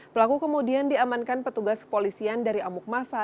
pelaku kemudian diamankan petugas kepolisian dari amuk masa